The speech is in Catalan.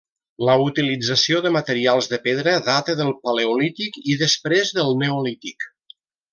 La utilització de materials de pedra data del paleolític i després del neolític.